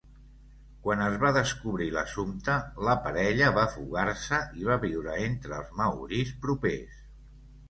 Quan es va descobrir l'assumpte, la parella va fugar-se i va viure entre els maoris propers.